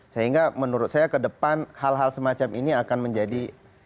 sehingga menurut saya ke depan hal hal semacam ini akan menjadi